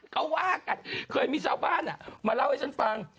เขาว่ากันเคยมีชาวบ้านมาเล่าให้ฉันฟัง